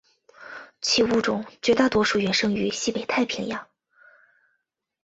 其物种绝大多数原生于西北太平洋。